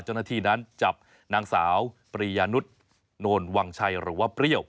เจ้าหน้าที่นั้นจับนางสาวปริยานุษย์โนนวังชัยหรือว่าเปรี้ยว